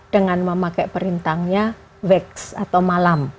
dengan memakai perintangnya x atau malam